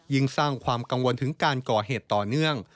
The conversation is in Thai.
สร้างความกังวลถึงการก่อเหตุต่อเนื่อง